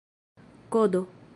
kodo